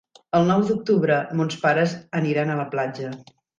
El nou d'octubre mons pares aniran a la platja.